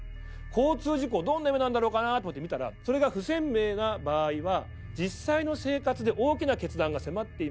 交通事故どんな夢なんだろうかなと思って見たら「それが不鮮明な場合は実際の生活で大きな決断が迫っています」